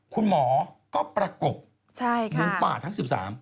คุณหมอก็ประกบหมูป่าทั้ง๑๓